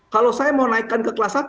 kalau saya mau naikkan ke kelas satu